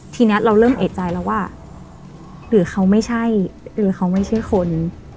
ทีนี้เราเริ่มเอกใจแล้วว่าหรือเขาไม่ใช่หรือเขาไม่ใช่คน